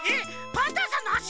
パンタンさんのあし？